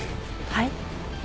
はい？